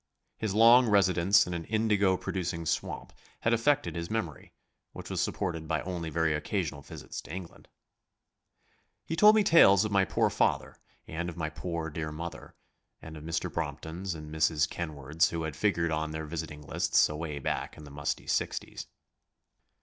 His long residence in an indigo producing swamp had affected his memory, which was supported by only very occasional visits to England. He told me tales of my poor father and of my poor, dear mother, and of Mr. Bromptons and Mrs. Kenwards who had figured on their visiting lists away back in the musty sixties.